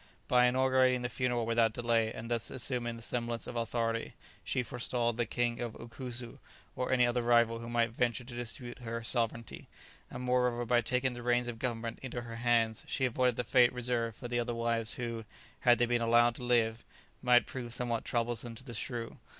By inaugurating the funeral without delay and thus assuming the semblance of authority, she forestalled the king of Ukusu or any other rival who might venture to dispute her sovereignty; and moreover, by taking the reins of government into her hands she avoided the fate reserved for the other wives who, had they been allowed to live, might prove somewhat troublesome to the shrew.